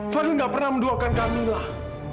fadil gak pernah menduakan kamilah